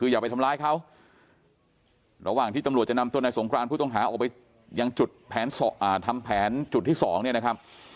อย่าไปทำร้ายเขาระหว่างที่ตำรวจจะนำตัวนายสงครานผู้ต้องหาออกไปยังจุดทำแผนจุดที่สองเนี่ยนะครับ